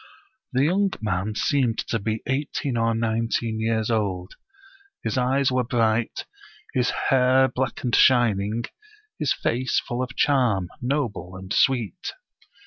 The young man seemed to be eighteen or nineteen years old; his eyes were bright, his hair black and shining, his face full of charm, noble and sweet.